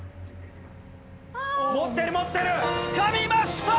持ってる持ってる！つかみました！